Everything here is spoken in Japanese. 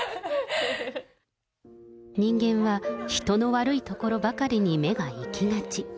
人間は人の悪いところばかりに目が行きがち。